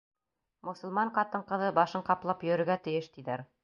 Мосолман ҡатын-ҡыҙы башын ҡаплап йөрөргә тейеш, тиҙәр.